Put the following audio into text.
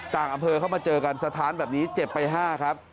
ต่างอำเภอเข้ามาเจอกันสถานแบบนี้เจ็บไป๕ครับ